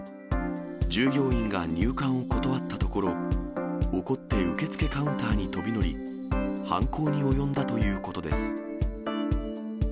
従業員が入館を断ったところ、怒って受付カウンターに飛び乗り、犯行に及んだということです。